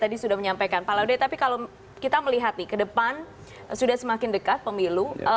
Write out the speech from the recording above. tadi sudah menyampaikan pak laude tapi kalau kita melihat nih ke depan sudah semakin dekat pemilu